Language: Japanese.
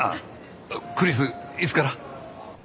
クリスいつから？